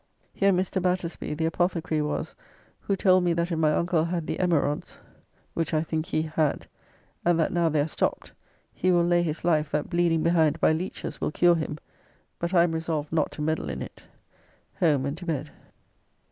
Here Mr. Batersby the apothecary was, who told me that if my uncle had the emerods [Haemorrhoids or piles.] (which I think he had) and that now they are stopped, he will lay his life that bleeding behind by leeches will cure him, but I am resolved not to meddle in it. Home and to bed.